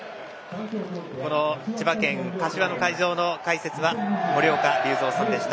千葉県柏の会場の解説は森岡隆三さんでした。